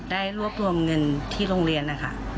ได้รวบรวมเงินที่โรงเรียนนะคะ